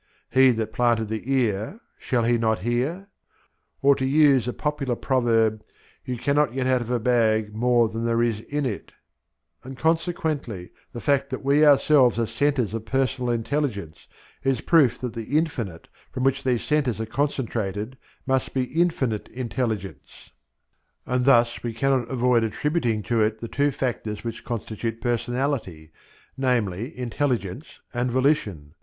He that planted the ear shall He not hear?" or to use a popular proverb, "You cannot get out of a bag more than there is in it;" and consequently the fact that we ourselves are centres of personal intelligence is proof that the infinite, from which these centres are concentrated, must be infinite intelligence, and thus we cannot avoid attributing to it the two factors which constitute personality, namely, intelligence and volition.